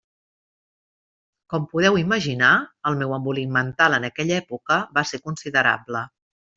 Com podeu imaginar, el meu embolic mental en aquella època va ser considerable.